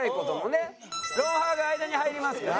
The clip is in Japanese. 『ロンハー』が間に入りますから。